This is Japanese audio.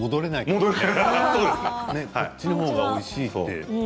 こっちのほうがおいしい。